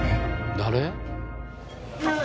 誰？